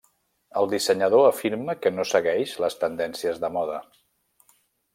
El dissenyador afirma que no segueix les tendències de moda.